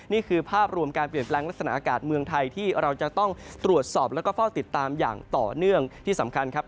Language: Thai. นี่คือภาพรวมการเปลี่ยนแปลงลักษณะอากาศเมืองไทยที่เราจะต้องตรวจสอบแล้วก็เฝ้าติดตามอย่างต่อเนื่องที่สำคัญครับ